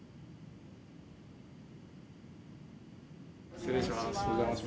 失礼します。